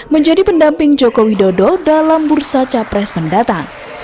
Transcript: menjadi pendamping jokowi dodo dalam bursa capres mendatang